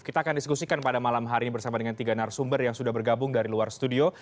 kita akan diskusikan pada malam hari ini bersama dengan tiga narasumber yang sudah bergabung dari luar studio